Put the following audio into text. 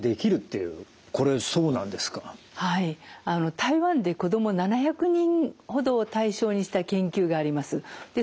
台湾で子ども７００人ほどを対象にした研究があります。